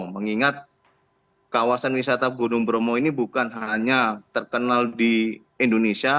mengingat kawasan wisata gunung bromo ini bukan hanya terkenal di indonesia